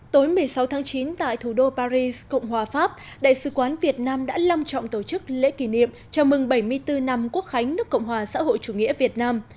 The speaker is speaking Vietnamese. tối một mươi sáu tháng chín tại thủ đô paris cộng hòa pháp đại sứ quán việt nam đã long trọng tổ chức lễ kỷ niệm chào mừng bảy mươi bốn năm quốc khánh nước cộng hòa xã hội chủ nghĩa việt nam